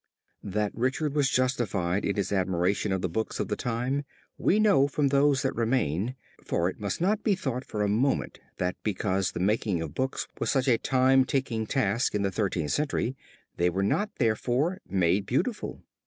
That Richard was justified in his admiration of the books of the time we know from those that remain, for it must not be thought for a moment that because the making of books was such a time taking task in the Thirteenth Century, they were not therefore made beautiful.